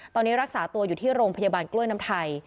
ตอนนี้รักษาตัวอยู่ที่โรงพยาบาลกล้วยน้ำไทย